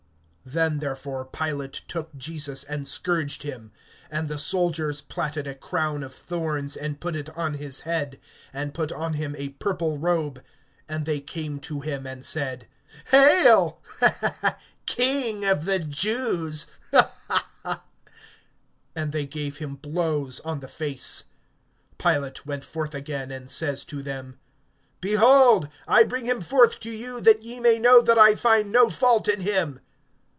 THEN therefore Pilate took Jesus, and scourged him. (2)And the soldiers platted a crown of thorns, and put it on his head, and put on him a purple robe; and they came to him, (3)and said: Hail, King of the Jews! And they gave him blows on the face. (4)Pilate went forth again, and says to them: Behold, I bring him forth to you, that ye may know that I find no fault in him.